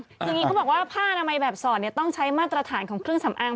อย่างนี้เขาบอกว่าผ้าอนามัยแบบสอดต้องใช้มาตรฐานของเครื่องสำอาง